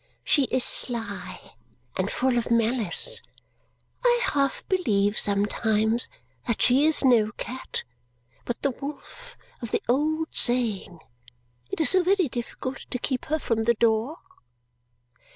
She is sly and full of malice. I half believe, sometimes, that she is no cat, but the wolf of the old saying. It is so very difficult to keep her from the door."